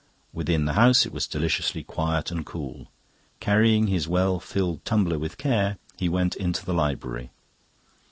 Within the house it was deliciously quiet and cool. Carrying his well filled tumbler with care, he went into the library.